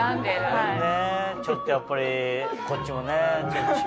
ごめんねちょっとやっぱりこっちもね。